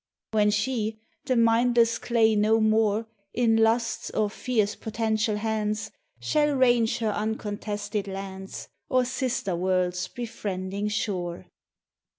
When she, the mindless clay no more In Lust's or Fear's potential hands, Shall range her uncontested lands Or sister world's befriending shore.